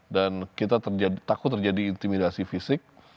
dan kita takut terjadi intimidasi fisik